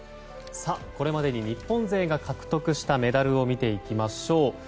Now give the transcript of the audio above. これまでに日本勢が獲得したメダルを見ていきましょう。